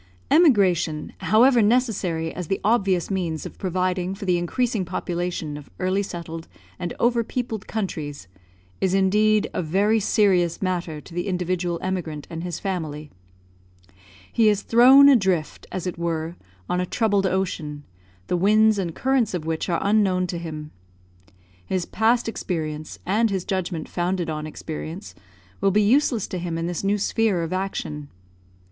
Emigration, however necessary as the obvious means of providing for the increasing population of early settled and over peopled countries, is indeed a very serious matter to the individual emigrant and his family. He is thrown adrift, as it were, on a troubled ocean, the winds and currents of which are unknown to him. His past experience, and his judgment founded on experience, will be useless to him in this new sphere of action.